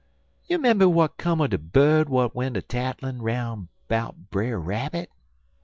You 'member w'at 'come er de bird w'at went tattlin' 'roun' 'bout Brer Rabbit?"